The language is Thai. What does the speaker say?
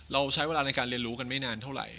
เราใช้เวลาในการเรียนรู้กันไม่นานเท่าไหร่